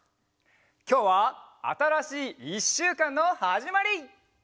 きょうはあたらしいいっしゅうかんのはじまり！